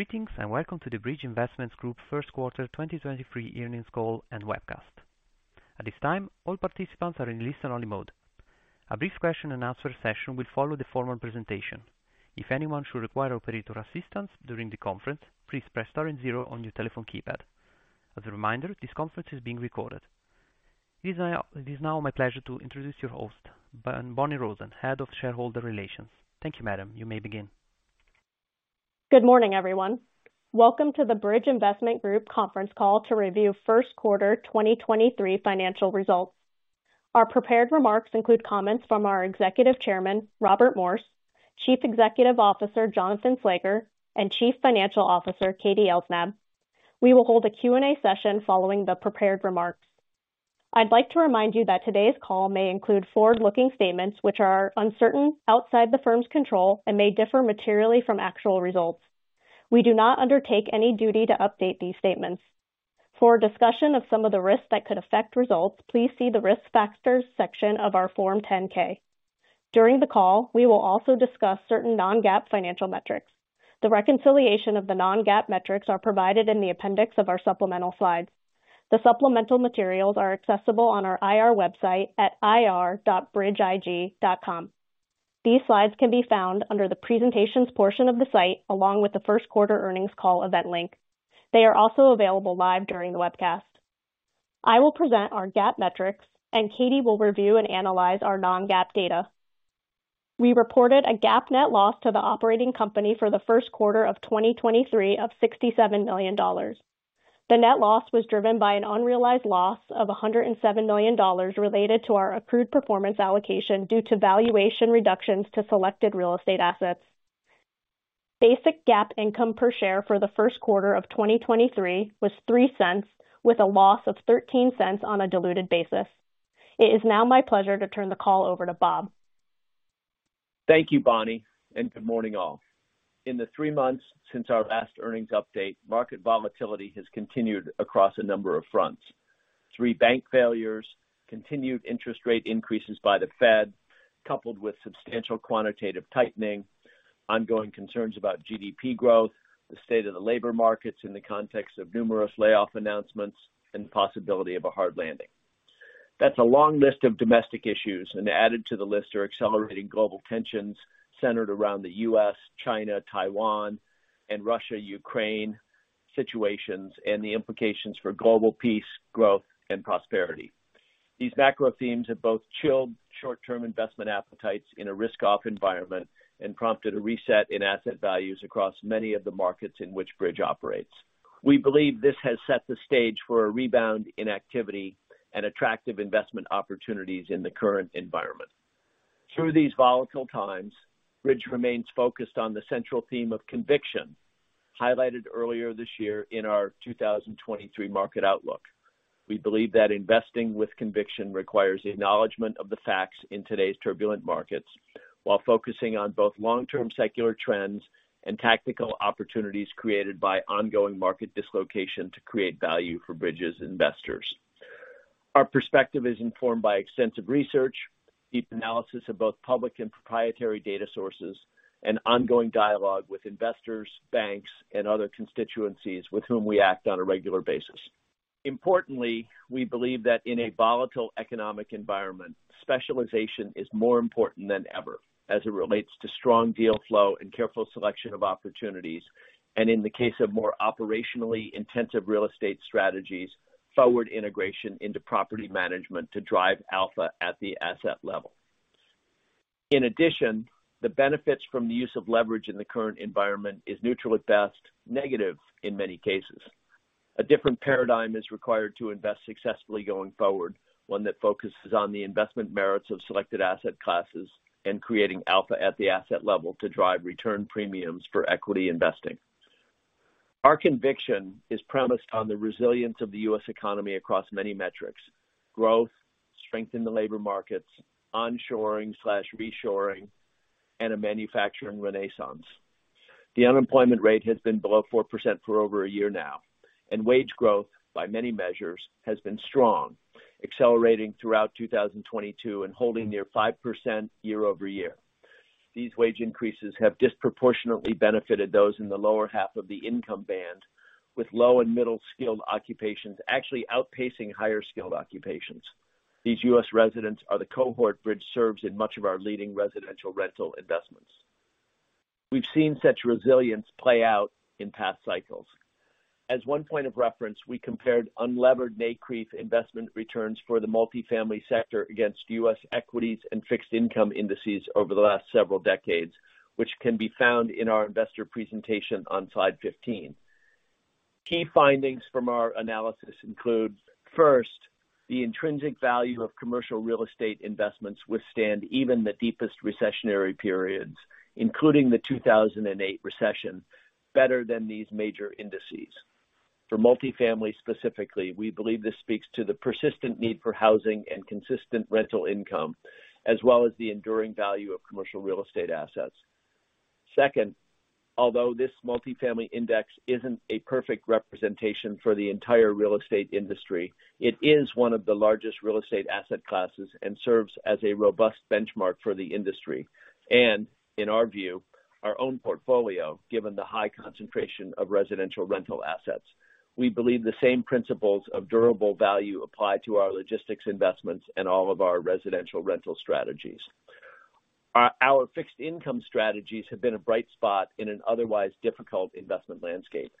Greetings, welcome to the Bridge Investment Group Q1 2023 earnings call and webcast. At this time, all participants are in listen-only mode. A brief question and answer session will follow the formal presentation. If anyone should require operator assistance during the conference, please press star 0 on your telephone keypad. As a reminder, this conference is being recorded. It is now my pleasure to introduce your host, Bonni Rosen, Head of Shareholder Relations. Thank you, madam. You may begin. Good morning, everyone. Welcome to the Bridge Investment Group conference call to review Q1 2023 financial results. Our prepared remarks include comments from our Executive Chairman, Robert Morse, Chief Executive Officer, Jonathan Slager, and Chief Financial Officer, Katie Elsnab. We will hold a Q&A session following the prepared remarks. I'd like to remind you that today's call may include forward-looking statements which are uncertain outside the firm's control and may differ materially from actual results. We do not undertake any duty to update these statements. For a discussion of some of the risks that could affect results, please see the Risk Factors section of our Form 10-K. During the call, we will also discuss certain non-GAAP financial metrics. The reconciliation of the non-GAAP metrics are provided in the appendix of our supplemental slides. The supplemental materials are accessible on our IR website at ir.bridgeig.com. These slides can be found under the presentations portion of the site, along with the Q1 earnings call event link. They are also available live during the webcast. I will present our GAAP metrics, and Katie will review and analyze our non-GAAP data. We reported a GAAP net loss to the operating company for the Q1 of 2023 of $67 million. The net loss was driven by an unrealized loss of $107 million related to our accrued performance allocation due to valuation reductions to selected real estate assets. Basic GAAP income per share for the Q1 of 2023 was $0.03, with a loss of $0.13 on a diluted basis. It is now my pleasure to turn the call over to Bob. Thank you, Bonni. Good morning, all. In the three months since our last earnings update, market volatility has continued across a number of fronts. Three bank failures, continued interest rate increases by the Fed, coupled with substantial quantitative tightening, ongoing concerns about GDP growth, the state of the labor markets in the context of numerous layoff announcements, and the possibility of a hard landing. That's a long list of domestic issues. Added to the list are accelerating global tensions centered around the U.S., China, Taiwan, and Russia, Ukraine situations, and the implications for global peace, growth, and prosperity. These macro themes have both chilled short-term investment appetites in a risk-off environment and prompted a reset in asset values across many of the markets in which Bridge operates. We believe this has set the stage for a rebound in activity and attractive investment opportunities in the current environment. Through these volatile times, Bridge remains focused on the central theme of conviction highlighted earlier this year in our 2023 market outlook. We believe that investing with conviction requires acknowledgement of the facts in today's turbulent markets, while focusing on both long-term secular trends and tactical opportunities created by ongoing market dislocation to create value for Bridge's investors. Our perspective is informed by extensive research, deep analysis of both public and proprietary data sources, and ongoing dialogue with investors, banks, and other constituencies with whom we act on a regular basis. Importantly, we believe that in a volatile economic environment, specialization is more important than ever as it relates to strong deal flow and careful selection of opportunities, and in the case of more operationally intensive real estate strategies, forward integration into property management to drive alpha at the asset level. In addition, the benefits from the use of leverage in the current environment is neutral at best, negative in many cases. A different paradigm is required to invest successfully going forward, one that focuses on the investment merits of selected asset classes and creating alpha at the asset level to drive return premiums for equity investing. Our conviction is premised on the resilience of the U.S. economy across many metrics: growth, strength in the labor markets, onshoring/reshoring, and a manufacturing renaissance. The unemployment rate has been below 4% for over a year now, and wage growth by many measures has been strong, accelerating throughout 2022 and holding near 5% year over year. These wage increases have disproportionately benefited those in the lower half of the income band, with low and middle-skilled occupations actually outpacing higher-skilled occupations. These U.S. residents are the cohort Bridge serves in much of our leading residential rental investments. We've seen such resilience play out in past cycles. As one point of reference, we compared unlevered NCREIF investment returns for the multifamily sector against U.S. equities and fixed income indices over the last several decades, which can be found in our investor presentation on slide 15. Key findings from our analysis include, first, the intrinsic value of commercial real estate investments withstand even the deepest recessionary periods, including the 2008 recession, better than these major indices. For multifamily specifically, we believe this speaks to the persistent need for housing and consistent rental income, as well as the enduring value of commercial real estate assets. Second, although this multifamily index isn't a perfect representation for the entire real estate industry, it is one of the largest real estate asset classes and serves as a robust benchmark for the industry. In our view, our own portfolio, given the high concentration of residential rental assets. We believe the same principles of durable value apply to our logistics investments and all of our residential rental strategies. Our fixed income strategies have been a bright spot in an otherwise difficult investment landscape.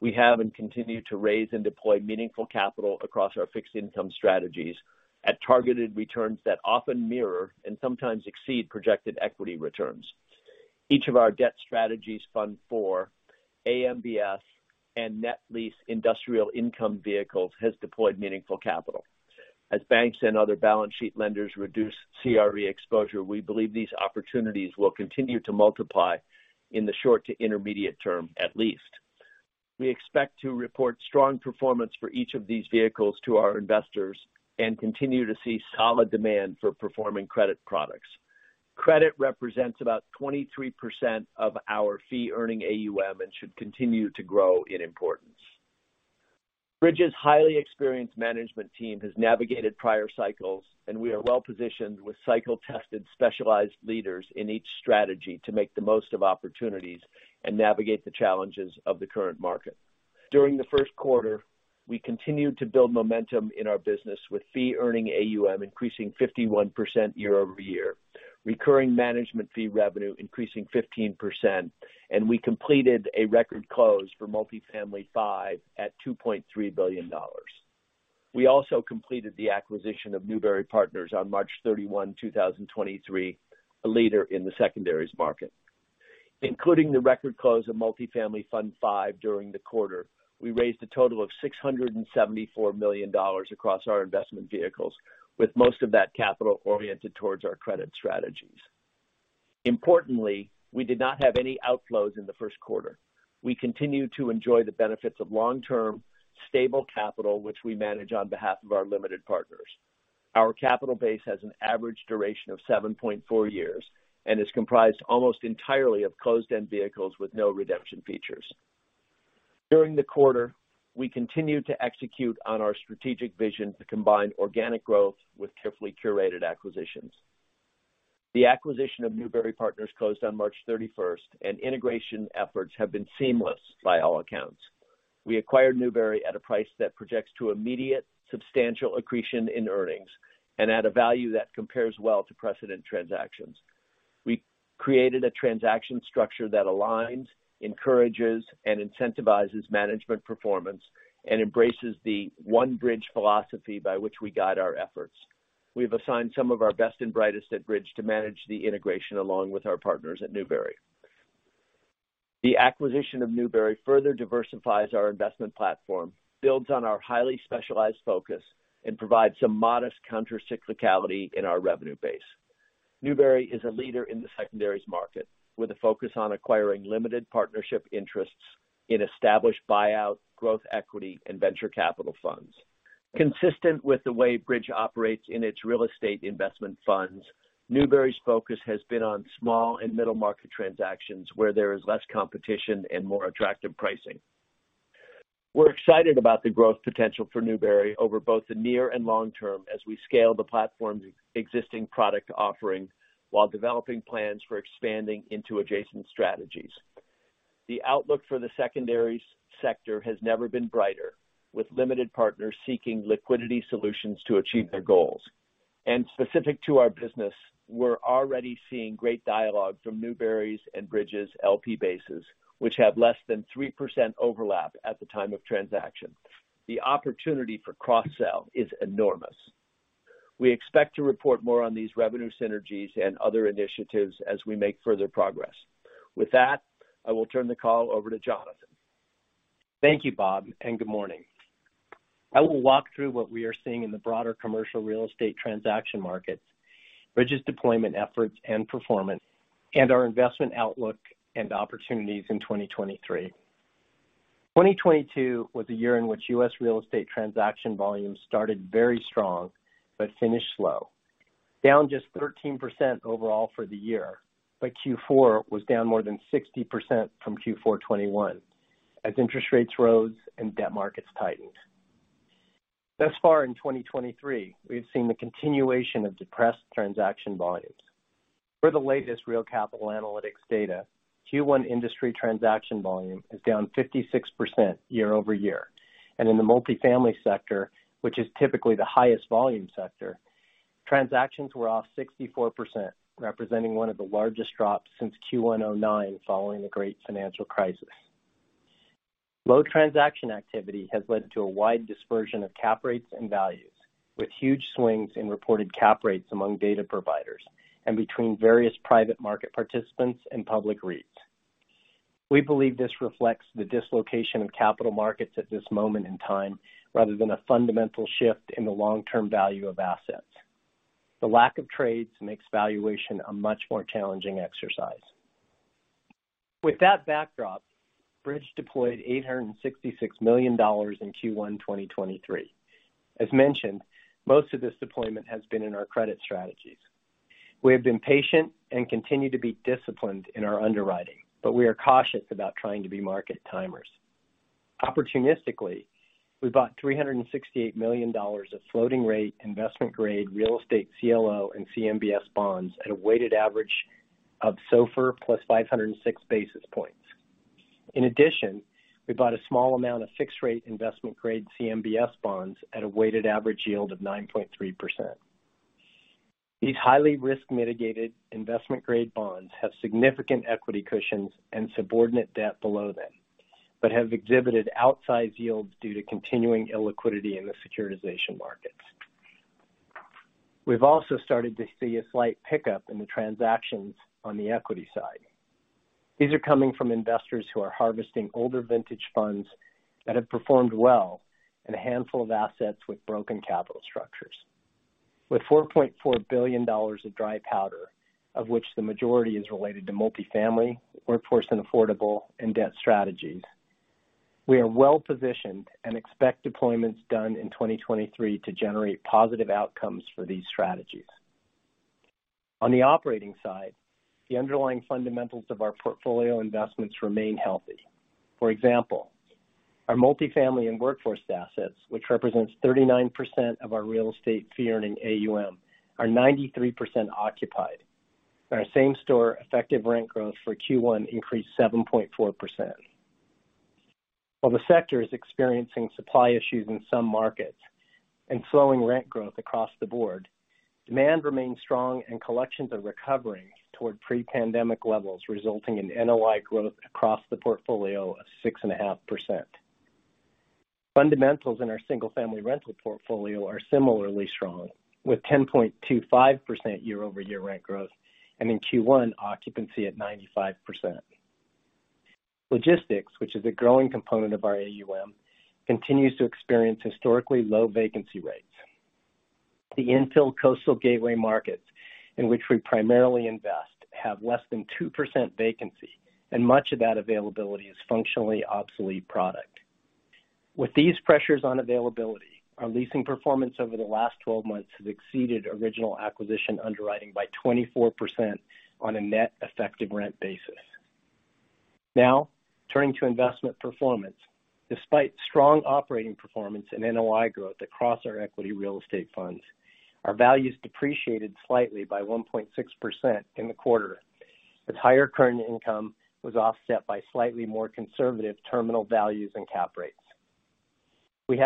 We have and continue to raise and deploy meaningful capital across our fixed income strategies at targeted returns that often mirror and sometimes exceed projected equity returns. Each of our debt strategies fund for AMBS and net lease industrial income vehicles has deployed meaningful capital. As banks and other balance sheet lenders reduce CRE exposure, we believe these opportunities will continue to multiply in the short to intermediate term, at least. We expect to report strong performance for each of these vehicles to our investors and continue to see solid demand for performing credit products. Credit represents about 23% of our fee-earning AUM and should continue to grow in importance. Bridge's highly experienced management team has navigated prior cycles, and we are well-positioned with cycle-tested specialized leaders in each strategy to make the most of opportunities and navigate the challenges of the current market. During the Q1, we continued to build momentum in our business with fee-earning AUM increasing 51% year-over-year, recurring management fee revenue increasing 15%, and we completed a record close for Multifamily V at $2.3 billion. We also completed the acquisition of Newbury Partners on March 31, 2023, a leader in the secondaries market. Including the record close of Multifamily Fund V during the quarter, we raised a total of $674 million across our investment vehicles, with most of that capital oriented towards our credit strategies. Importantly, we did not have any outflows in the Q1. We continue to enjoy the benefits of long-term, stable capital, which we manage on behalf of our limited partners. Our capital base has an average duration of 7.4 years and is comprised almost entirely of closed-end vehicles with no redemption features. During the quarter, we continued to execute on our strategic vision to combine organic growth with carefully curated acquisitions. The acquisition of Newbury Partners closed on March 31st, integration efforts have been seamless by all accounts. We acquired Newbury at a price that projects to immediate substantial accretion in earnings and at a value that compares well to precedent transactions. We created a transaction structure that aligns, encourages, and incentivizes management performance and embraces the One Bridge philosophy by which we guide our efforts. We've assigned some of our best and brightest at Bridge to manage the integration along with our partners at Newbury. The acquisition of Newbury further diversifies our investment platform, builds on our highly specialized focus, and provides some modest counter cyclicality in our revenue base. Newbury is a leader in the secondaries market, with a focus on acquiring limited partnership interests in established buyout growth equity and venture capital funds. Consistent with the way Bridge operates in its real estate investment funds, Newbury's focus has been on small and middle market transactions where there is less competition and more attractive pricing. We're excited about the growth potential for Newbury over both the near and long term as we scale the platform's existing product offering while developing plans for expanding into adjacent strategies. The outlook for the secondaries sector has never been brighter, with limited partners seeking liquidity solutions to achieve their goals. Specific to our business, we're already seeing great dialogue from Newbury's and Bridge's LP bases, which have less than 3% overlap at the time of transaction. The opportunity for cross-sell is enormous. We expect to report more on these revenue synergies and other initiatives as we make further progress. With that, I will turn the call over to Jonathan. Thank you, Bob. Good morning. I will walk through what we are seeing in the broader commercial real estate transaction markets, Bridge's deployment efforts and performance, and our investment outlook and opportunities in 2023. 2022 was a year in which U.S. real estate transaction volume started very strong but finished slow. Down just 13% overall for the year. Q4 was down more than 60% from Q4 2021 as interest rates rose and debt markets tightened. Thus far in 2023, we've seen the continuation of depressed transaction volumes. For the latest Real Capital Analytics data, Q1 industry transaction volume is down 56% year-over-year. In the multifamily sector, which is typically the highest volume sector, transactions were off 64%, representing one of the largest drops since Q1 2009 following the great financial crisis. Low transaction activity has led to a wide dispersion of cap rates and values, with huge swings in reported cap rates among data providers and between various private market participants and public REITs. We believe this reflects the dislocation of capital markets at this moment in time, rather than a fundamental shift in the long-term value of assets. The lack of trades makes valuation a much more challenging exercise. With that backdrop, Bridge deployed $866 million in Q1 2023. As mentioned, most of this deployment has been in our credit strategies. We have been patient and continue to be disciplined in our underwriting, but we are cautious about trying to be market timers. Opportunistically, we bought $368 million of floating rate investment grade real estate CLO and CMBS bonds at a weighted average of SOFR plus 506 basis points. We bought a small amount of fixed rate investment grade CMBS bonds at a weighted average yield of 9.3%. These highly risk mitigated investment grade bonds have significant equity cushions and subordinate debt below them, but have exhibited outsized yields due to continuing illiquidity in the securitization markets. We've also started to see a slight pickup in the transactions on the equity side. These are coming from investors who are harvesting older vintage funds that have performed well in a handful of assets with broken capital structures. With $4.4 billion of dry powder, of which the majority is related to multifamily, workforce and affordable, and debt strategies, we are well-positioned and expect deployments done in 2023 to generate positive outcomes for these strategies. On the operating side, the underlying fundamentals of our portfolio investments remain healthy. For example, our multifamily and workforce assets, which represents 39% of our real estate fee earning AUM, are 93% occupied, and our same store effective rent growth for Q1 increased 7.4%. While the sector is experiencing supply issues in some markets and slowing rent growth across the board, demand remains strong and collections are recovering toward pre-pandemic levels, resulting in NOI growth across the portfolio of 6.5%. Fundamentals in our single-family rental portfolio are similarly strong with 10.25% year-over-year rent growth and in Q1 occupancy at 95%. Logistics, which is a growing component of our AUM, continues to experience historically low vacancy rates. The infill coastal gateway markets in which we primarily invest have less than 2% vacancy, and much of that availability is functionally obsolete product. With these pressures on availability, our leasing performance over the last 12 months has exceeded original acquisition underwriting by 24% on a net effective rent basis. Turning to investment performance. Despite strong operating performance and NOI growth across our equity real estate funds, our values depreciated slightly by 1.6% in the quarter, as higher current income was offset by slightly more conservative terminal values and cap rates. Bridge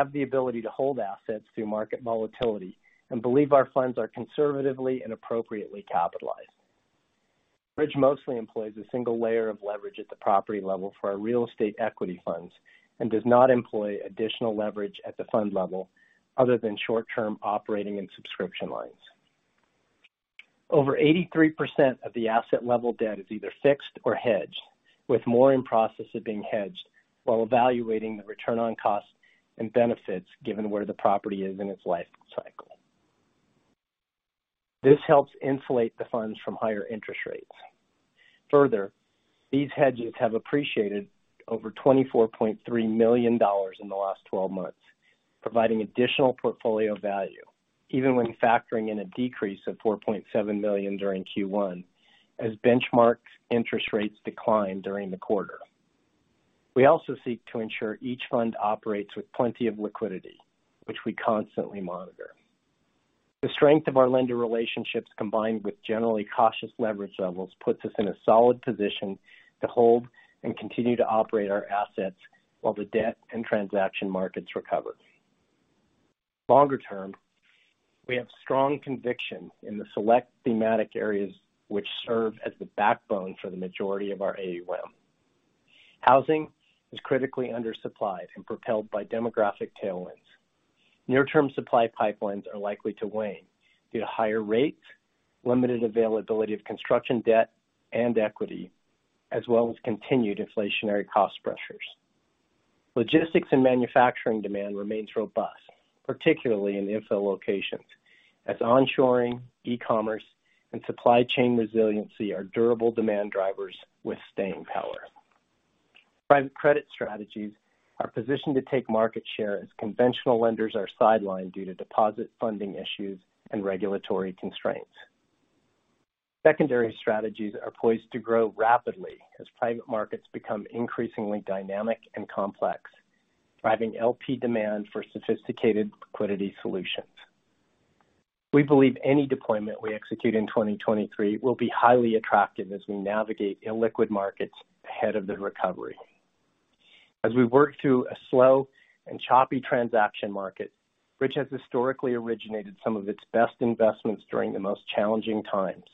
mostly employs a single layer of leverage at the property level for our real estate equity funds and does not employ additional leverage at the fund level other than short-term operating and subscription lines. Over 83% of the asset level debt is either fixed or hedged, with more in process of being hedged while evaluating the return on costs and benefits given where the property is in its life cycle. This helps insulate the funds from higher interest rates. Further, these hedges have appreciated over $24.3 million in the last 12 months, providing additional portfolio value even when factoring in a decrease of $4.7 million during Q1 as benchmark interest rates declined during the quarter. We also seek to ensure each fund operates with plenty of liquidity, which we constantly monitor. The strength of our lender relationships, combined with generally cautious leverage levels, puts us in a solid position to hold and continue to operate our assets while the debt and transaction markets recover. Longer term, we have strong conviction in the select thematic areas which serve as the backbone for the majority of our AUM. Housing is critically undersupplied and propelled by demographic tailwinds. Near-term supply pipelines are likely to wane due to higher rates, limited availability of construction debt and equity, as well as continued inflationary cost pressures. Logistics and manufacturing demand remains robust, particularly in infill locations as onshoring, e-commerce, and supply chain resiliency are durable demand drivers with staying power. Private credit strategies are positioned to take market share as conventional lenders are sidelined due to deposit funding issues and regulatory constraints. Secondary strategies are poised to grow rapidly as private markets become increasingly dynamic and complex, driving LP demand for sophisticated liquidity solutions. We believe any deployment we execute in 2023 will be highly attractive as we navigate illiquid markets ahead of the recovery. As we work through a slow and choppy transaction market, Bridge has historically originated some of its best investments during the most challenging times,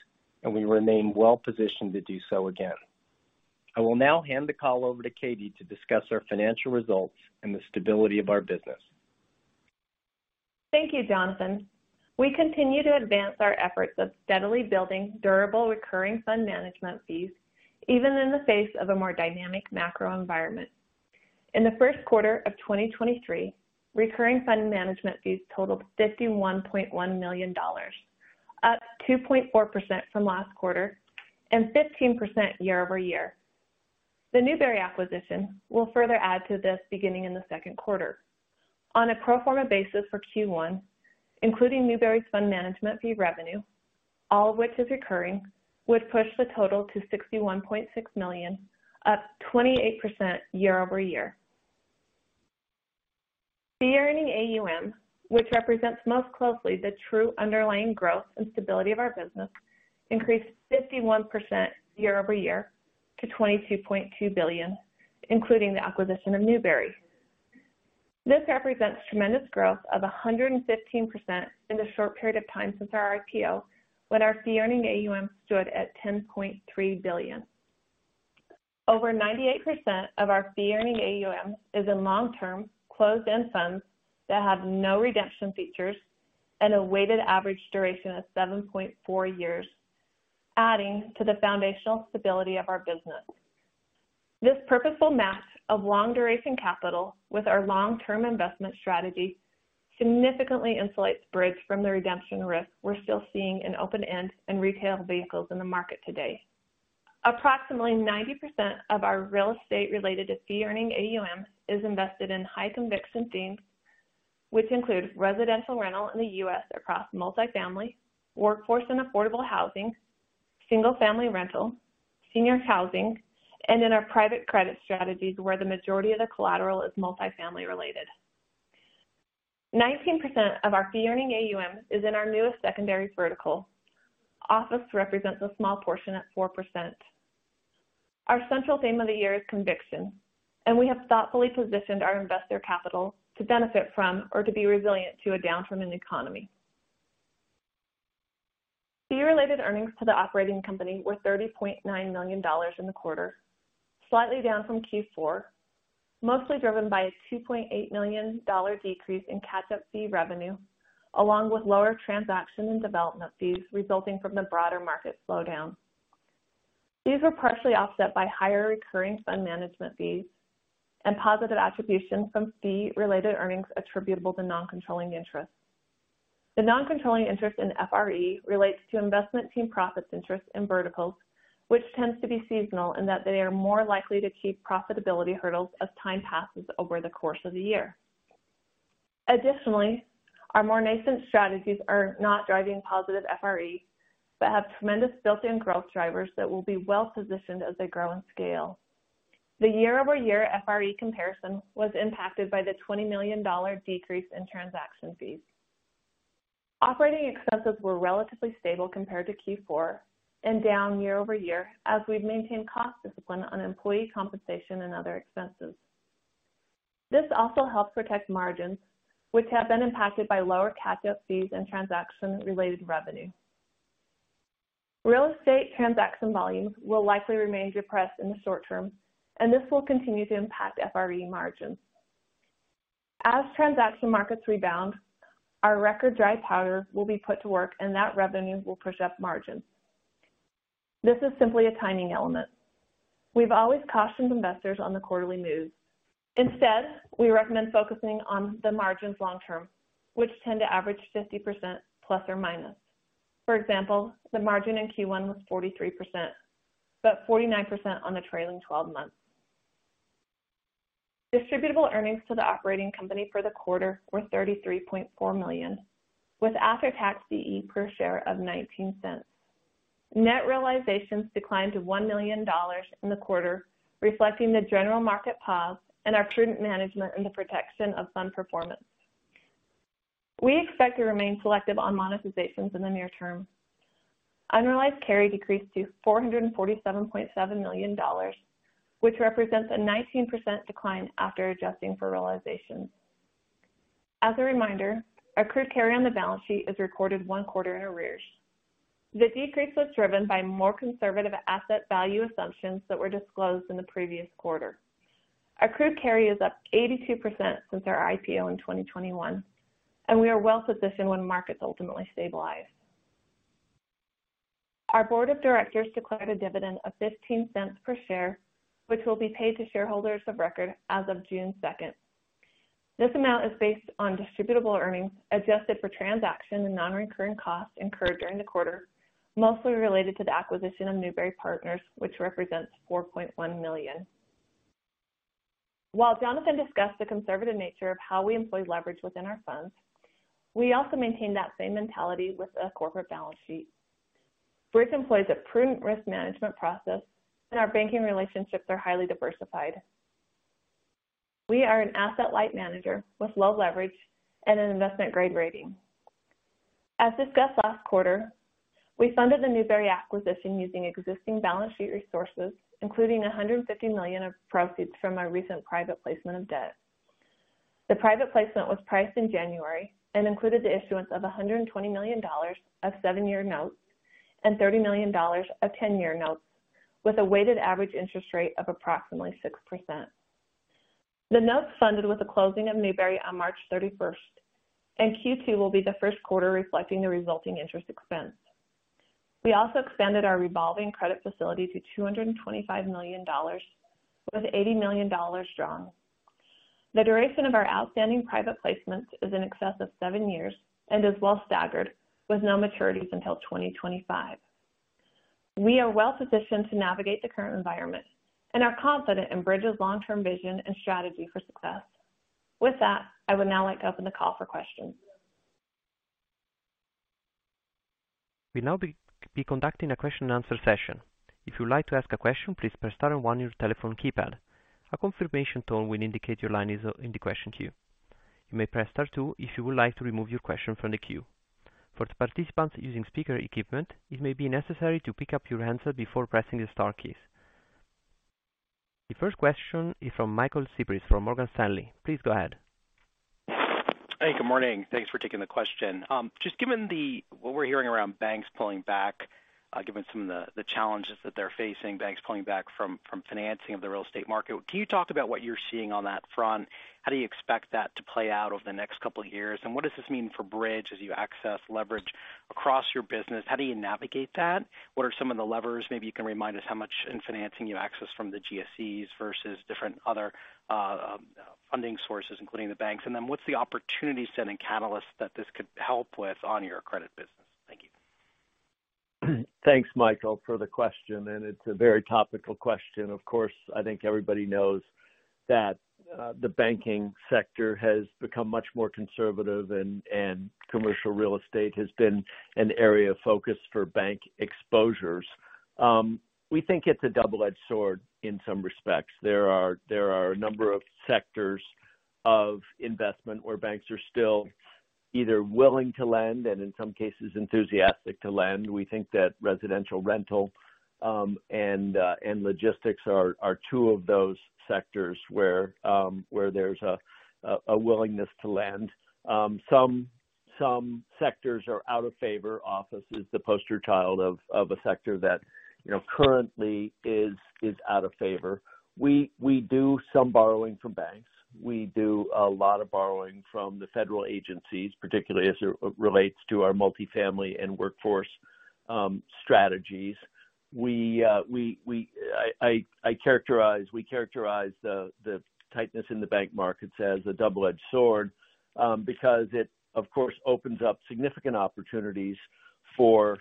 and we remain well-positioned to do so again. I will now hand the call over to Katie to discuss our financial results and the stability of our business. Thank you, Jonathan. We continue to advance our efforts of steadily building durable recurring fund management fees even in the face of a more dynamic macro environment. In the Q1 of 2023, recurring fund management fees totaled $51.1 million, up 2.4% from last quarter and 15% year-over-year. The Newbury acquisition will further add to this beginning in the second quarter. On a pro forma basis for Q1, including Newbury's fund management fee revenue, all of which is recurring, would push the total to $61.6 million, up 28% year-over-year. Fee earning AUM, which represents most closely the true underlying growth and stability of our business, increased 51% year-over-year to $22.2 billion, including the acquisition of Newbury. This represents tremendous growth of 115% in the short period of time since our IPO when our fee-earning AUM stood at $10.3 billion. Over 98% of our fee-earning AUM is in long-term closed-end funds that have no redemption features and a weighted average duration of 7.4 years, adding to the foundational stability of our business. This purposeful match of long duration capital with our long-term investment strategy significantly insulates Bridge from the redemption risk we're still seeing in open-end and retail vehicles in the market today. Approximately 90% of our real estate-related to fee-earning AUM is invested in high conviction themes, which include residential rental in the U.S. across multifamily, workforce and affordable housing, single-family rental, senior housing, and in our private credit strategies where the majority of the collateral is multifamily related. 19% of our fee earning AUM is in our newest secondary vertical. Office represents a small portion at 4%. Our central theme of the year is conviction. We have thoughtfully positioned our investor capital to benefit from or to be resilient to a downturn in economy. Fee-related earnings to the operating company were $30.9 million in the quarter, slightly down from Q4, mostly driven by a $2.8 million decrease in catch-up fee revenue, along with lower transaction and development fees resulting from the broader market slowdown. These were partially offset by higher recurring fund management fees and positive attribution from fee-related earnings attributable to non-controlling interests. The non-controlling interest in FRE relates to investment team profits interest in verticals, which tends to be seasonal in that they are more likely to keep profitability hurdles as time passes over the course of the year. Our more nascent strategies are not driving positive FRE, but have tremendous built-in growth drivers that will be well-positioned as they grow in scale. The year-over-year FRE comparison was impacted by the $20 million decrease in transaction fees. Operating expenses were relatively stable compared to Q4 and down year-over-year as we've maintained cost discipline on employee compensation and other expenses. This also helps protect margins, which have been impacted by lower catch-up fees and transaction-related revenue. Real estate transaction volumes will likely remain depressed in the short term. This will continue to impact FRE margins. As transaction markets rebound, our record dry powder will be put to work and that revenue will push up margins. This is simply a timing element. Instead, we recommend focusing on the margins long term, which tend to average 50% ±. For example, the margin in Q1 was 43%, but 49% on the trailing 12 months. Distributable earnings to the operating company for the quarter were $33.4 million, with after-tax CE per share of $0.19. Net realizations declined to $1 million in the quarter, reflecting the general market pause and our prudent management in the protection of fund performance. We expect to remain selective on monetizations in the near term. Unrealized carry decreased to $447.7 million, which represents a 19% decline after adjusting for realization. As a reminder, accrued carry on the balance sheet is recorded one quarter in arrears. The decrease was driven by more conservative asset value assumptions that were disclosed in the previous quarter. Accrued carry is up 82% since our IPO in 2021, and we are well-positioned when markets ultimately stabilize. Our board of directors declared a dividend of $0.15 per share, which will be paid to shareholders of record as of June 2nd. This amount is based on distributable earnings adjusted for transaction and non-recurring costs incurred during the quarter, mostly related to the acquisition of Newbury Partners, which represents $4.1 million. While Jonathan discussed the conservative nature of how we employ leverage within our funds, we also maintain that same mentality with a corporate balance sheet. Bridge employs a prudent risk management process, and our banking relationships are highly diversified. We are an asset-light manager with low leverage and an investment-grade rating. As discussed last quarter, we funded the Newbury acquisition using existing balance sheet resources, including $150 million of proceeds from our recent private placement of debt. The private placement was priced in January and included the issuance of $120 million of seven-year notes and $30 million of 10-year notes with a weighted average interest rate of approximately 6%. The notes funded with the closing of Newbury on March 31st. Q2 will be the Q1 reflecting the resulting interest expense. We also expanded our revolving credit facility to $225 million with $80 million drawn. The duration of our outstanding private placements is in excess of seven years and is well staggered, with no maturities until 2025. We are well positioned to navigate the current environment and are confident in Bridge's long-term vision and strategy for success. With that, I would now like to open the call for questions. We'll now be conducting a question and answer session. If you would like to ask a question, please press star and one on your telephone keypad. A confirmation tone will indicate your line is in the question queue. You may press star two if you would like to remove your question from the queue. For participants using speaker equipment, it may be necessary to pick up your answer before pressing the star keys. The first question is from Michael Cyprys from Morgan Stanley. Please go ahead. Hey, good morning. Thanks for taking the question. Just given what we're hearing around banks pulling back, given some of the challenges that they're facing, banks pulling back from financing of the real estate market. Can you talk about what you're seeing on that front? How do you expect that to play out over the next couple of years? What does this mean for Bridge as you access leverage across your business? How do you navigate that? What are some of the levers? Maybe you can remind us how much in financing you access from the GSEs versus different other funding sources, including the banks. Then what's the opportunity set and catalyst that this could help with on your credit business? Thank you. Thanks, Michael, for the question. It's a very topical question. Of course, I think everybody knows that the banking sector has become much more conservative and commercial real estate has been an area of focus for bank exposures. We think it's a double-edged sword in some respects. There are a number of sectors of investment where banks are still either willing to lend and in some cases enthusiastic to lend. We think that residential rental and logistics are two of those sectors where there's a willingness to lend. Some sectors are out of favor. Office is the poster child of a sector that, you know, currently is out of favor. We do some borrowing from banks. We do a lot of borrowing from the federal agencies, particularly as it relates to our multifamily and workforce strategies. We characterize the tightness in the bank markets as a double-edged sword, because it, of course, opens up significant opportunities for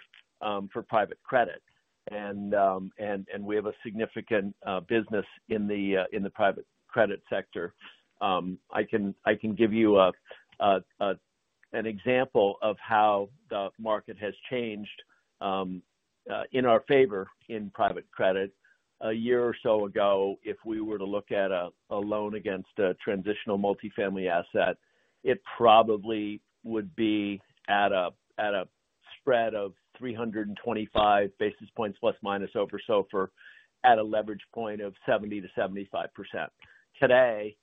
private credit. We have a significant business in the private credit sector. I can give you an example of how the market has changed in our favor in private credit. A year or so ago, if we were to look at a loan against a transitional multifamily asset, it probably would be at a spread of 325 basis points plus minus over SOFR at a leverage point of 70%-75%. Today,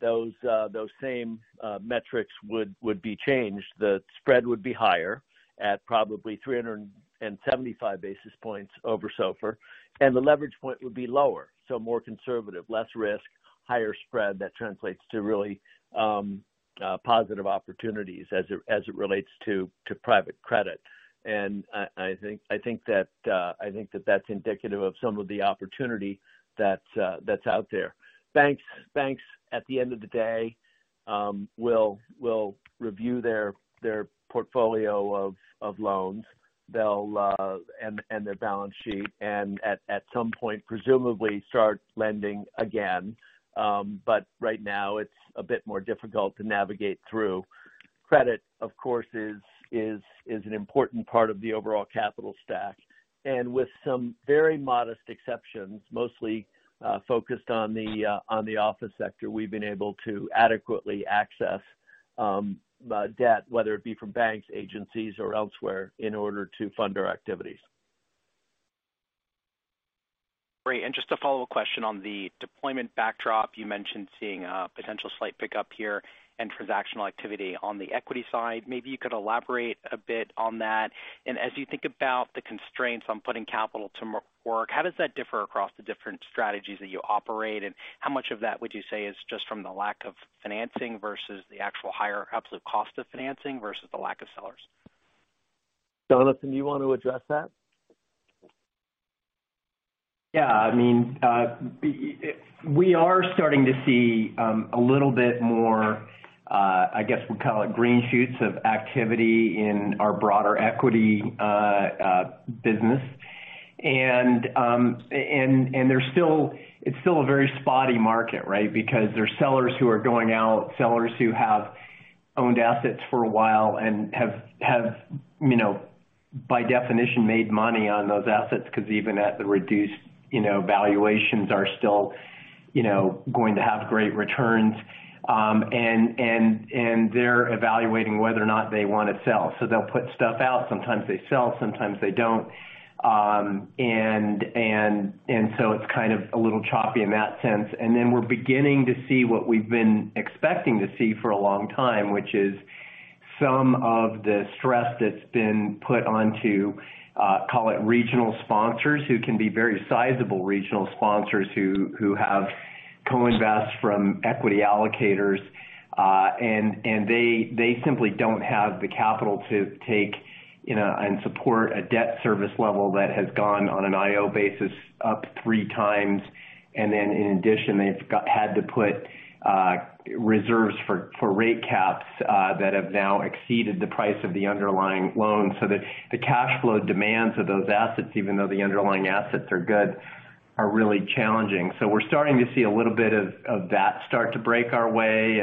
those same metrics would be changed. The spread would be higher at probably 375 basis points over SOFR, and the leverage point would be lower. More conservative, less risk, higher spread. That translates to really positive opportunities as it relates to private credit. I think that that's indicative of some of the opportunity that's out there. Banks at the end of the day will review their portfolio of loans. They'll and their balance sheet and at some point presumably start lending again. Right now it's a bit more difficult to navigate through. Credit, of course, is an important part of the overall capital stack. With some very modest exceptions, mostly focused on the office sector, we've been able to adequately access debt, whether it be from banks, agencies or elsewhere in order to fund our activities. Great. Just a follow-up question on the deployment backdrop. You mentioned seeing a potential slight pickup here and transactional activity on the equity side. Maybe you could elaborate a bit on that. As you think about the constraints on putting capital to work, how does that differ across the different strategies that you operate? How much of that would you say is just from the lack of financing versus the actual higher absolute cost of financing versus the lack of sellers? Jonathan, do you want to address that? Yeah. I mean, we are starting to see a little bit more, I guess we'll call it green shoots of activity in our broader equity business. It's still a very spotty market, right? Because there's sellers who are going out, sellers who have owned assets for a while and have, you know, by definition, made money on those assets because even at the reduced, you know, valuations are still, you know, going to have great returns. They're evaluating whether or not they want to sell. They'll put stuff out. Sometimes they sell, sometimes they don't. It's kind of a little choppy in that sense. We're beginning to see what we've been expecting to see for a long time, which is some of the stress that's been put onto, call it regional sponsors, who can be very sizable regional sponsors who have co-invest from equity allocators, and they simply don't have the capital to take, you know, and support a debt service level that has gone on an IO basis up 3x. In addition, they had to put reserves for rate caps that have now exceeded the price of the underlying loan. The cash flow demands of those assets, even though the underlying assets are good. Are really challenging. We're starting to see a little bit of that start to break our way.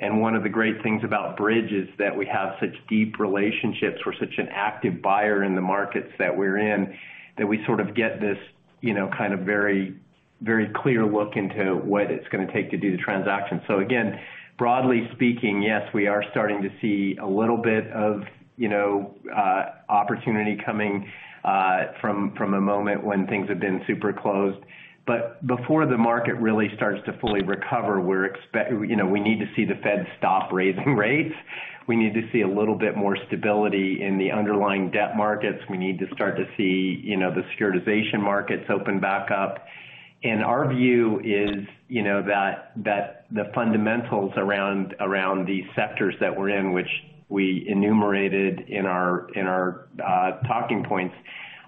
One of the great things about Bridge is that we have such deep relationships. We're such an active buyer in the markets that we're in, that we sort of get this, you know, kind of very, very clear look into what it's gonna take to do the transaction. Again, broadly speaking, yes, we are starting to see a little bit of, you know, opportunity coming from a moment when things have been super closed. Before the market really starts to fully recover, you know, we need to see the Fed stop raising rates. We need to see a little bit more stability in the underlying debt markets. We need to start to see, you know, the securitization markets open back up. Our view is, you know, that the fundamentals around these sectors that we're in, which we enumerated in our talking points,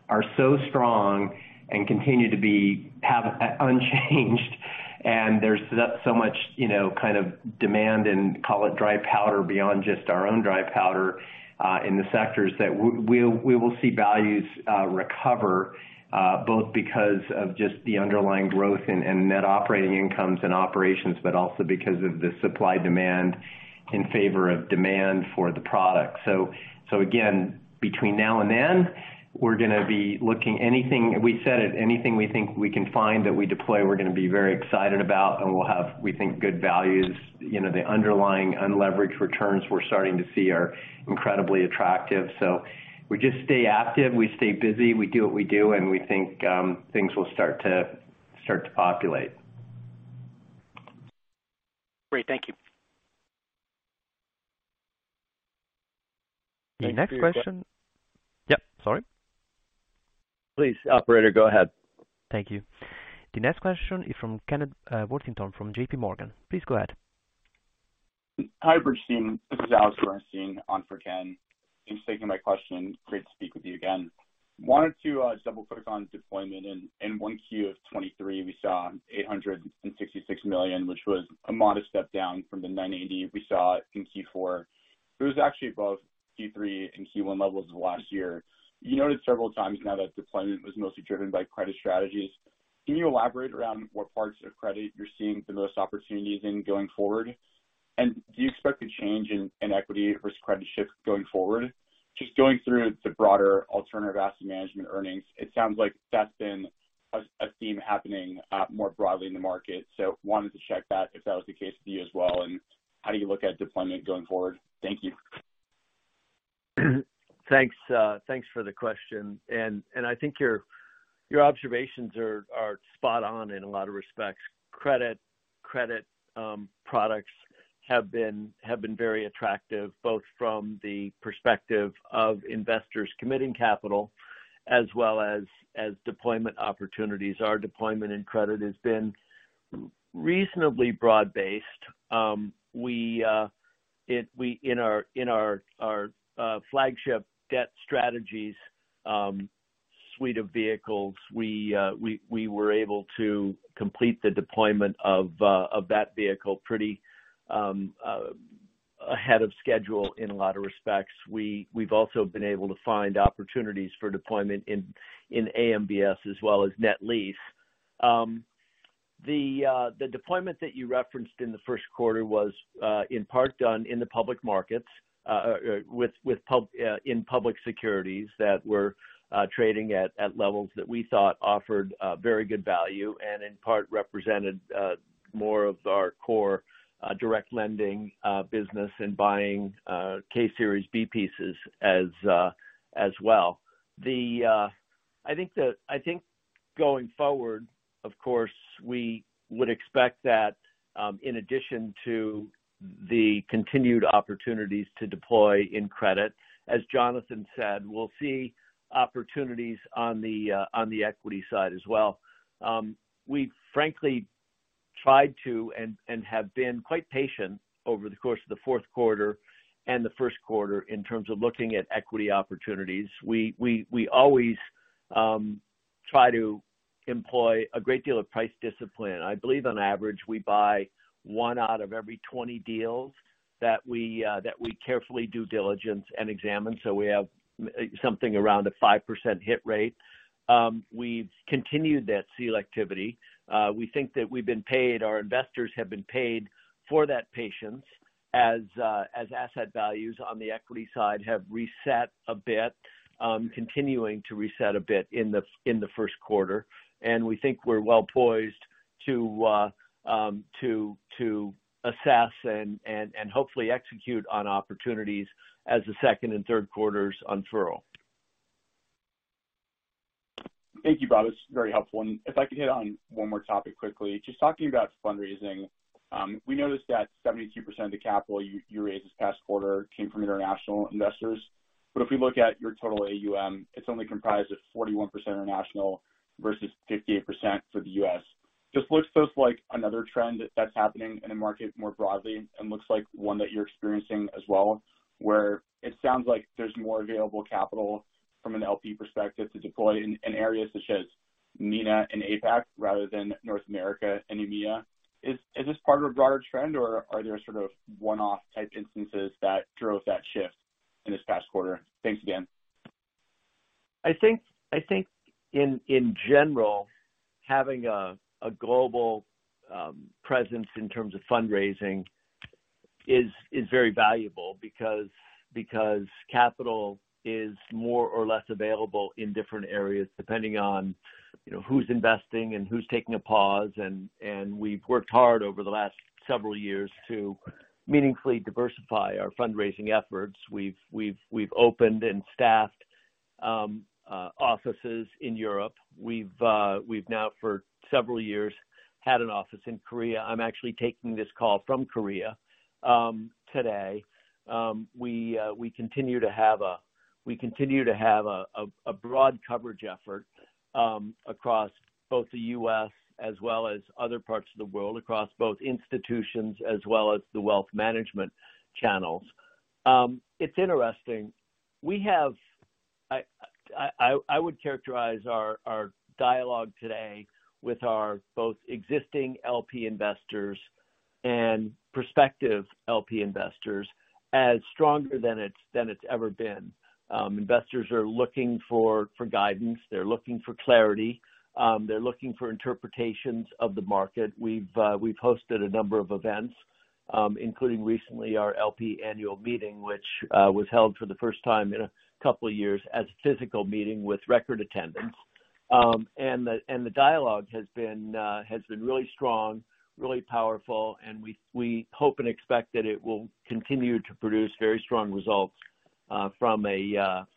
are so strong and continue to be unchanged. There's so much, you know, kind of demand and call it dry powder beyond just our own dry powder, in the sectors that we will see values recover, both because of just the underlying growth and net operating incomes and operations, but also because of the supply-demand in favor of demand for the product. Again, between now and then, We said if anything we think we can find that we deploy, we're gonna be very excited about, and we'll have, we think, good values. You know, the underlying unleveraged returns we're starting to see are incredibly attractive. We just stay active, we stay busy, we do what we do, and we think, things will start to populate. Great. Thank you. Thanks for your que- The next question. Yep, sorry. Please, operator, go ahead. Thank you. The next question is from Kenneth Worthington from JPMorgan. Please go ahead. Hi, Bridge team. This is Alex Bernstein on for Ken. Thanks for taking my question. Great to speak with you again. Wanted to double-click on deployment. In 1Q of 2023, we saw $866 million, which was a modest step down from the $980 million we saw in Q4. It was actually above Q3 and Q1 levels of last year. You noted several times now that deployment was mostly driven by credit strategies. Can you elaborate around what parts of credit you're seeing the most opportunities in going forward? Do you expect a change in equity versus credit shift going forward? Just going through the broader alternative asset management earnings, it sounds like that's been a theme happening more broadly in the market. Wanted to check that if that was the case for you as well, and how do you look at deployment going forward? Thank you. Thanks, thanks for the question. I think your observations are spot on in a lot of respects. Credit products have been very attractive, both from the perspective of investors committing capital as well as deployment opportunities. Our deployment in credit has been reasonably broad-based. In our flagship debt strategies suite of vehicles, we were able to complete the deployment of that vehicle pretty ahead of schedule in a lot of respects. We've also been able to find opportunities for deployment in Agency MBS as well as net lease. The deployment that you referenced in the Q1 was in part done in the public markets with in public securities that were trading at levels that we thought offered very good value and in part represented more of our core direct lending business and buying K-Series B-Pieces as well. I think going forward, of course, we would expect that in addition to the continued opportunities to deploy in credit, as Jonathan said, we'll see opportunities on the equity side as well. We frankly tried to and have been quite patient over the course of the Q4 and the Q1 in terms of looking at equity opportunities. We always try to employ a great deal of price discipline. I believe on average, we buy one out of every 20 deals that we carefully due diligence and examine, so we have something around a 5% hit rate. We've continued that selectivity. We think that we've been paid, our investors have been paid for that patience as asset values on the equity side have reset a bit, continuing to reset a bit in the Q1. We think we're well poised to assess and hopefully execute on opportunities as the second and third quarters unfurl. Thank you, Bob. It's very helpful. If I could hit on one more topic quickly. Just talking about fundraising, we noticed that 72% of the capital you raised this past quarter came from international investors. If we look at your total AUM, it's only comprised of 41% international versus 58% for the U.S. Just looks like another trend that's happening in the market more broadly and looks like one that you're experiencing as well, where it sounds like there's more available capital from an L.P. perspective to deploy in areas such as MENA and APAC rather than North America and EMEA. Is this part of a broader trend or are there sort of one-off type instances that drove that shift in this past quarter? Thanks again. I think in general, having a global presence in terms of fundraising is very valuable because capital is more or less available in different areas depending on, you know, who's investing and who's taking a pause. We've worked hard over the last several years to meaningfully diversify our fundraising efforts. We've opened and staffed offices in Europe. We've now for several years had an office in Korea. I'm actually taking this call from Korea today. We continue to have a broad coverage effort across both the U.S. as well as other parts of the world, across both institutions as well as the wealth management channels. It's interesting. We have... I would characterize our dialogue today with our both existing LP investors and prospective LP investors as stronger than it's ever been. Investors are looking for guidance. They're looking for clarity. They're looking for interpretations of the market. We've hosted a number of events, including recently our LP annual meeting, which was held for the first time in a couple of years as a physical meeting with record attendance. The dialogue has been really strong, really powerful, and we hope and expect that it will continue to produce very strong results from a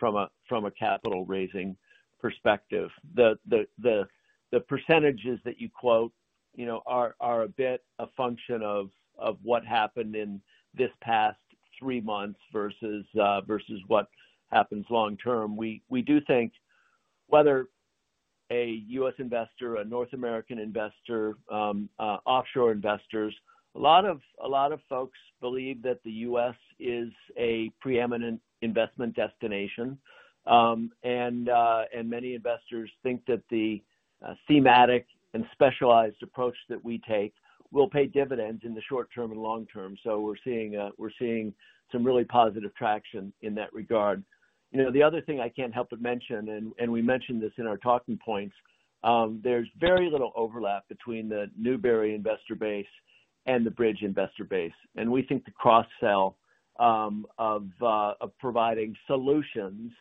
capital raising perspective. The percentages that you quote, you know, are a bit a function of what happened in this past three months versus what happens long term. We do think whether a U.S. investor, a North American investor, offshore investors, a lot of folks believe that the U.S. is a preeminent investment destination. Many investors think that the thematic and specialized approach that we take will pay dividends in the short term and long term. We're seeing some really positive traction in that regard. You know, the other thing I can't help but mention, and we mentioned this in our talking points, there's very little overlap between the Newbury investor base and the Bridge investor base. We think the cross-sell, of providing solutions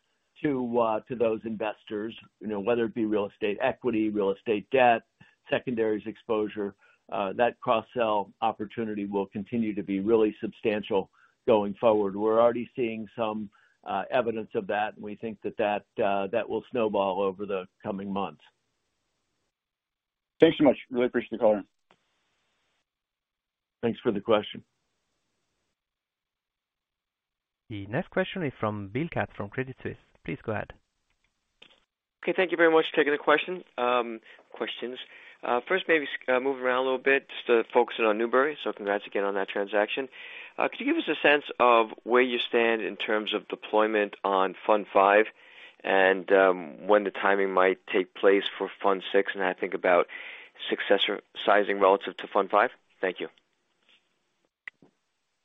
to those investors, you know, whether it be real estate equity, real estate debt, secondaries exposure, that cross-sell opportunity will continue to be really substantial going forward. We're already seeing some evidence of that, and we think that that will snowball over the coming months. Thanks much. Really appreciate the call. Thanks for the question. The next question is from Bill Katz from Credit Suisse. Please go ahead. Okay. Thank you very much. Taking the question, questions. First maybe, move around a little bit just to focus in on Newbury. Congrats again on that transaction. Could you give us a sense of where you stand in terms of deployment on Fund V and, when the timing might take place for Fund VI? I think about success sizing relative to Fund V. Thank you.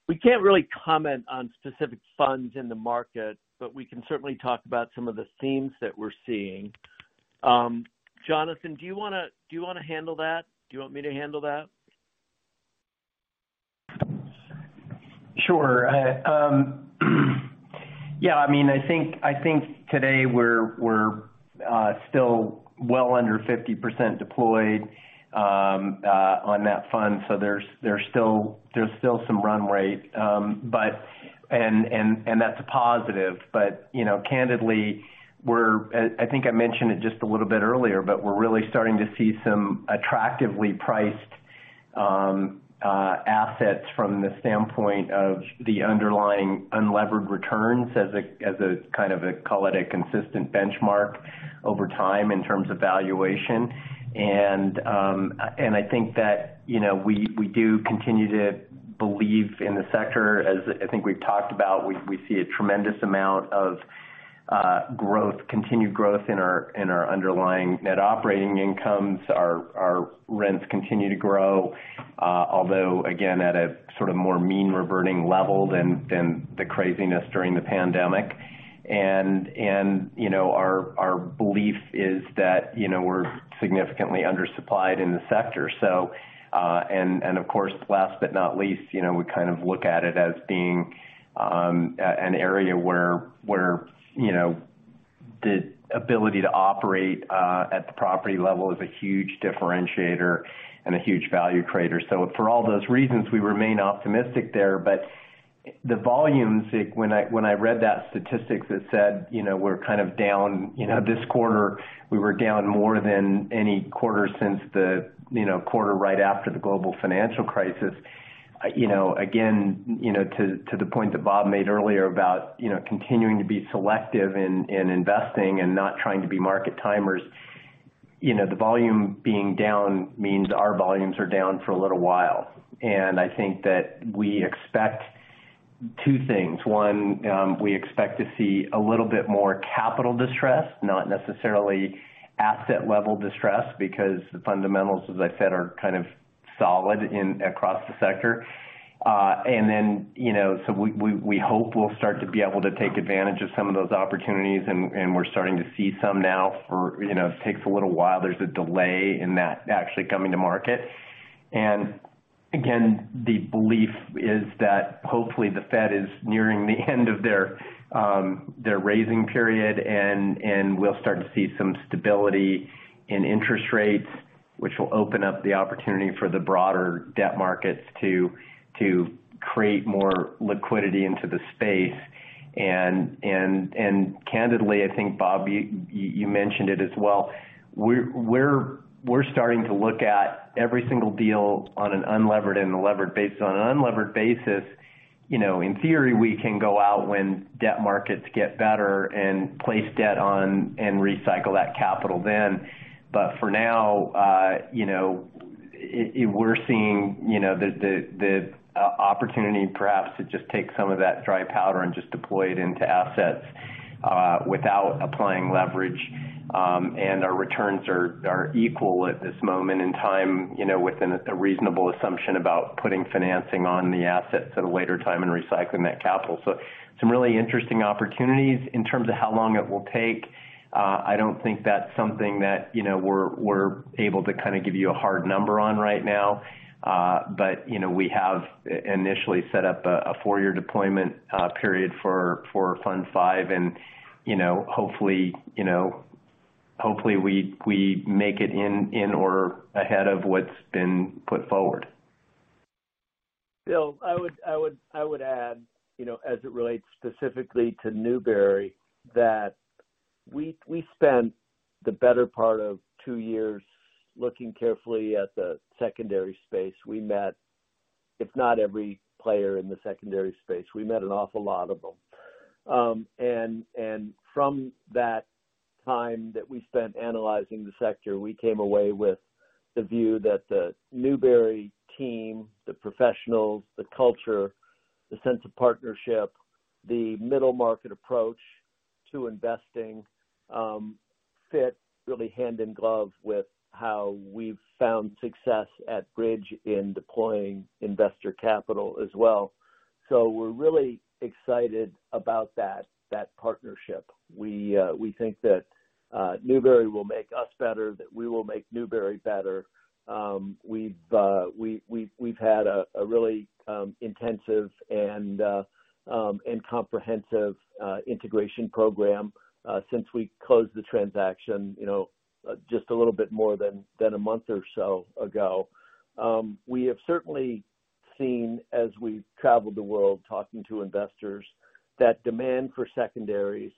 We can't really comment on specific funds in the market, but we can certainly talk about some of the themes that we're seeing. Jonathan, do you wanna handle that? Do you want me to handle that? Sure. Yeah, I mean, I think today we're still well under 50% deployed on that fund, so there's still some run rate. That's a positive. You know, candidly, I think I mentioned it just a little bit earlier, but we're really starting to see some attractively priced assets from the standpoint of the underlying unlevered returns as a kind of a, call it a consistent benchmark over time in terms of valuation. I think that, you know, we do continue to believe in the sector. As I think we've talked about, we see a tremendous amount of growth, continued growth in our underlying net operating incomes. Our rents continue to grow, although again, at a sort of more mean reverting level than the craziness during the pandemic. You know, our belief is that, you know, we're significantly undersupplied in the sector. Of course, last but not least, you know, we kind of look at it as being an area where, you know, the ability to operate at the property level is a huge differentiator and a huge value creator. For all those reasons, we remain optimistic there. The volumes, when I read that statistic that said, you know, we're kind of down, this quarter we were down more than any quarter since the quarter right after the Global Financial Crisis. You know, again, you know, to the point that Bob made earlier about, you know, continuing to be selective in investing and not trying to be market timers. You know, the volume being down means our volumes are down for a little while. I think that we expect two things. One, we expect to see a little bit more capital distress, not necessarily asset level distress, because the fundamentals, as I said, are kind of solid across the sector. Then, you know, we hope we'll start to be able to take advantage of some of those opportunities, and we're starting to see some now for, you know, it takes a little while. There's a delay in that actually coming to market. Again, the belief is that hopefully the Fed is nearing the end of their raising period, and we'll start to see some stability in interest rates, which will open up the opportunity for the broader debt markets to create more liquidity into the space. Candidly, I think, Bob, you mentioned it as well. We're starting to look at every single deal on an unlevered and levered basis. On an unlevered basis, you know, in theory, we can go out when debt markets get better and place debt on and recycle that capital then. For now, you know, we're seeing, you know, the opportunity perhaps to just take some of that dry powder and just deploy it into assets without applying leverage. Our returns are equal at this moment in time, you know, within a reasonable assumption about putting financing on the assets at a later time and recycling that capital. Some really interesting opportunities. In terms of how long it will take, I don't think that's something that, you know, we're able to kinda give you a hard number on right now. You know, we have initially set up a four-year deployment period for Fund V. You know, hopefully, you know, hopefully we make it in or ahead of what's been put forward. Bill, I would add, you know, as it relates specifically to Newbury, that we spent the better part of two years looking carefully at the secondary space. We met, if not every player in the secondary space, we met an awful lot of them. And from that time that we spent analyzing the sector, we came away with the view that the Newbury team, the professionals, the culture, the sense of partnership, the middle market approach to investing, fit really hand in glove with how we've found success at Bridge in deploying investor capital as well. We're really excited about that partnership. We think that Newbury will make us better, that we will make Newbury better. We've had a really intensive and comprehensive integration program since we closed the transaction, you know, just a little bit more than a month or so ago. We have certainly seen as we've traveled the world talking to investors, that demand for secondaries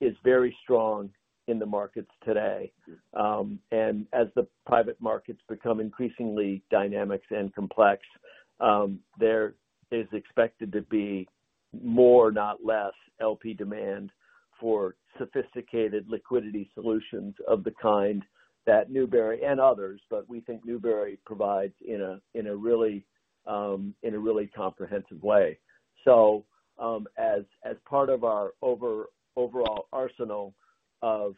is very strong in the markets today. And as the private markets become increasingly dynamic and complex, there is expected to be more, not less, LP demand for sophisticated liquidity solutions of the kind that Newbury and others, but we think Newbury provides in a really comprehensive way. As part of our overall arsenal of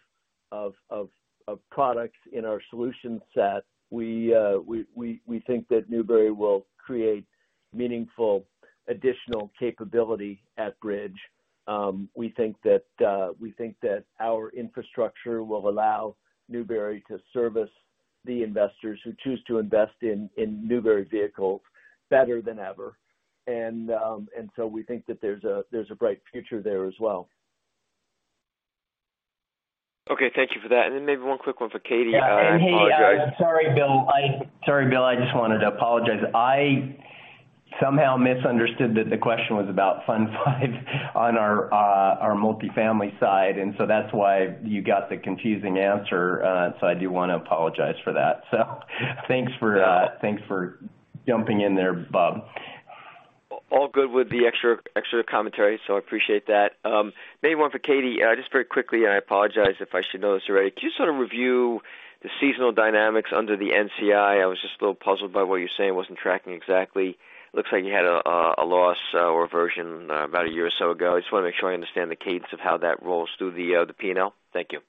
products in our solution set, we think that Newbury will create meaningful additional capability at Bridge. We think that our infrastructure will allow Newbury to service the investors who choose to invest in Newbury vehicles better than ever. We think that there's a bright future there as well. Okay. Thank you for that. Then maybe one quick one for Katie. Yeah. Hey, sorry, Bill, I just wanted to apologize. I somehow misunderstood that the question was about Fund V on our multifamily side, that's why you got the confusing answer. I do wanna apologize for that. Thanks for, thanks for jumping in there, Bob. All good with the extra commentary, so I appreciate that. Maybe one for Katie, just very quickly, and I apologize if I should know this already. Can you sort of review the seasonal dynamics under the NCI? I was just a little puzzled by what you're saying. Wasn't tracking exactly. Looks like you had a loss or a version about a year or so ago. I just wanna make sure I understand the cadence of how that rolls through the PNL. Thank you.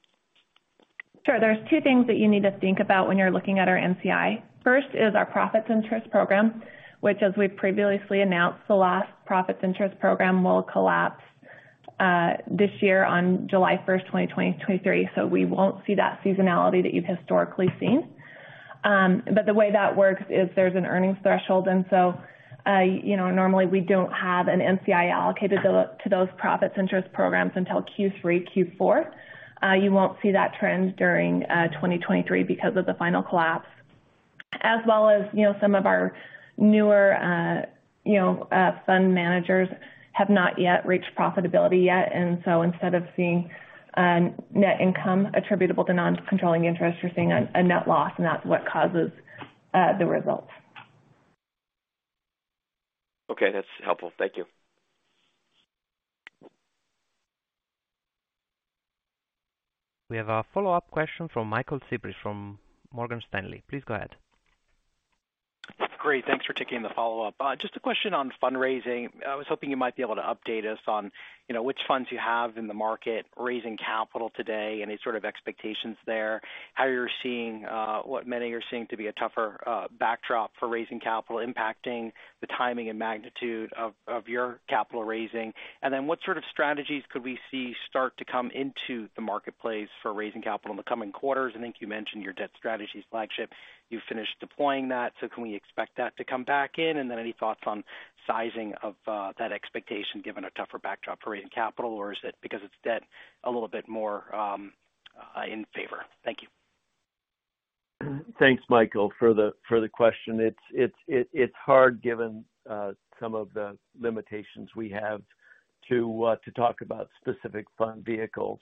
Sure. There's two things that you need to think about when you're looking at our NCI. First is our profits interest program, which, as we've previously announced, the last profits interest program will collapse this year on July 1 2023. We won't see that seasonality that you've historically seen. The way that works is there's an earnings threshold, and so, you know, normally we don't have an NCI allocated to those profits interest programs until Q3, Q4. You won't see that trend during 2023 because of the final collapse. As well as, you know, some of our newer, you know, fund managers have not yet reached profitability yet, and so instead of seeing net income attributable to non-controlling interest, you're seeing a net loss, and that's what causes the results. Okay. That's helpful. Thank you. We have a follow-up question from Michael Cyprys from Morgan Stanley. Please go ahead. Great. Thanks for taking the follow-up. Just a question on fundraising. I was hoping you might be able to update us on, you know, which funds you have in the market raising capital today, any sort of expectations there, how you're seeing, what many are seeing to be a tougher backdrop for raising capital impacting the timing and magnitude of your capital raising. What sort of strategies could we see start to come into the marketplace for raising capital in the coming quarters? I think you mentioned your debt strategies flagship. You finished deploying that, so can we expect that to come back in? Any thoughts on sizing of that expectation given a tougher backdrop for raising capital, or is it because it's debt a little bit more in favor? Thank you. Thanks, Michael, for the question. It's hard given some of the limitations we have to talk about specific fund vehicles.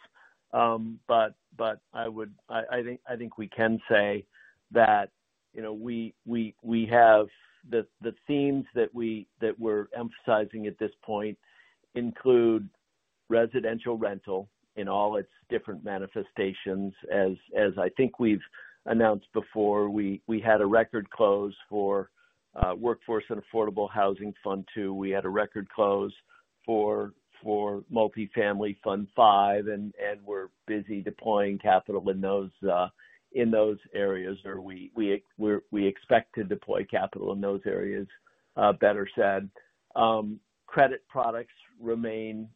I think we can say that, you know, we have the themes that we're emphasizing at this point include residential rental in all its different manifestations. As I think we've announced before, we had a record close for Workforce and Affordable Housing Fund II. We had a record close for Multifamily Fund V, and we're busy deploying capital in those areas, or we expect to deploy capital in those areas, better said. Credit products remain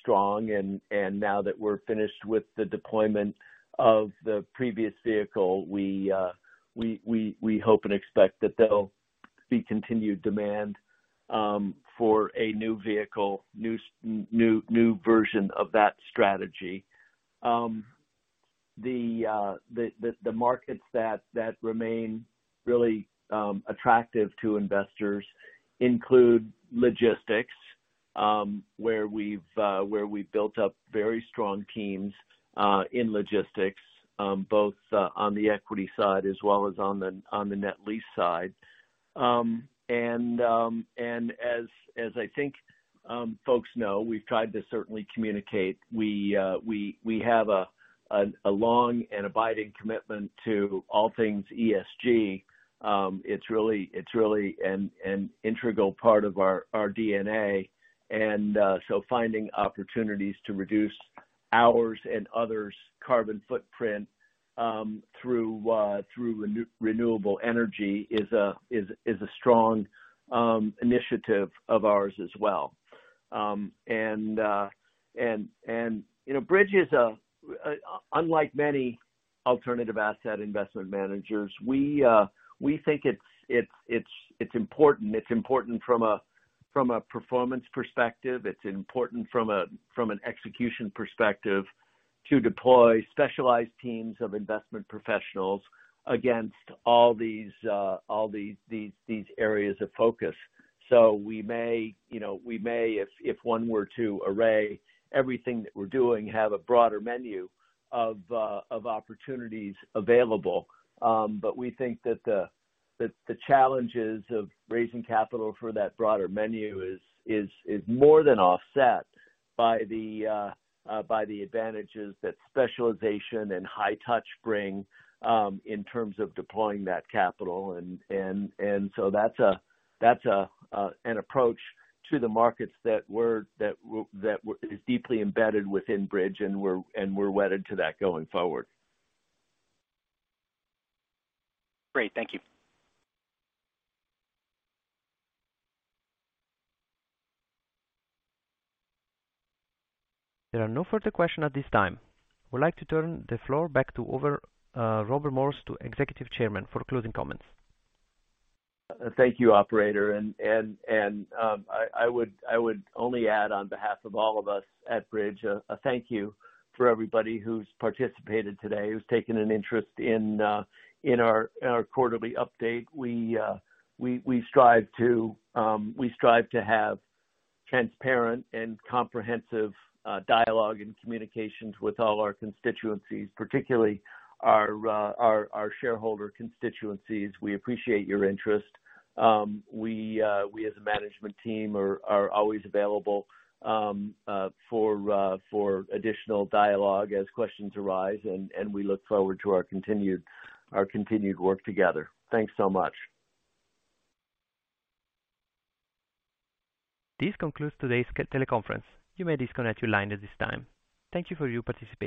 strong. Now that we're finished with the deployment of the previous vehicle, we hope and expect that there'll be continued demand for a new vehicle, new version of that strategy. The markets that remain really attractive to investors include logistics, where we've built up very strong teams in logistics, both on the equity side as well as on the net lease side. As I think folks know, we've tried to certainly communicate, we have a long and abiding commitment to all things ESG. It's really an integral part of our DNA. So finding opportunities to reduce ours and others' carbon footprint through renewable energy is a strong initiative of ours as well. And, you know, Bridge is unlike many alternative asset investment managers. We think it's important. It's important from a performance perspective. It's important from an execution perspective to deploy specialized teams of investment professionals against all these areas of focus. We may, you know, we may, if one were to array everything that we're doing, have a broader menu of opportunities available. We think that the challenges of raising capital for that broader menu is more than offset by the advantages that specialization and high touch bring in terms of deploying that capital. That's an approach to the markets that is deeply embedded within Bridge, and we're wedded to that going forward. Great. Thank you. There are no further question at this time. Would like to turn the floor back to over, Robert Morse, Executive Chairman for closing comments. Thank you, operator. I would only add on behalf of all of us at Bridge, a thank you for everybody who's participated today, who's taken an interest in our quarterly update. We strive to have transparent and comprehensive dialogue and communications with all our constituencies, particularly our shareholder constituencies. We appreciate your interest. We, as a management team, are always available for additional dialogue as questions arise, and we look forward to our continued work together. Thanks so much. This concludes today's teleconference. You may disconnect your line at this time. Thank you for your participation.